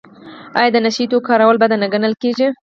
آیا د نشه یي توکو کارول بد نه ګڼل کیږي؟